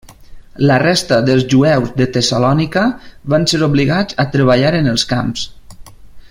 La resta dels jueus de Tessalònica van ser obligats a treballar en els camps.